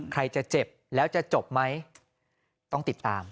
ใครจะเจ็บแล้วจะจบไหมต้องติดตาม